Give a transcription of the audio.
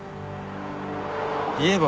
言えば？